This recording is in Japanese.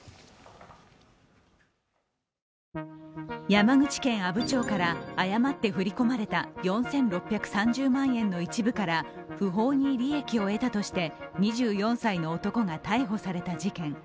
山口県阿武町から誤って振り込まれた４６３０万円の一部から不法に利益を得たとして２４歳の男が逮捕された事件。